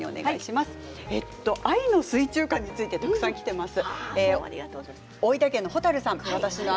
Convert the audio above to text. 「愛の水中花」にたくさんきています。